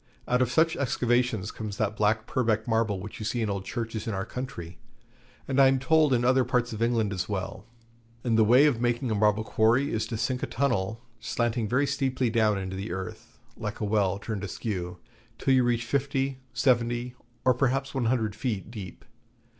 Out of such excavations comes that black Purbeck Marble which you see in old churches in our country, and I am told in other parts of England as well. And the way of making a marble quarry is to sink a tunnel, slanting very steeply down into the earth, like a well turned askew, till you reach fifty, seventy, or perhaps one hundred feet deep.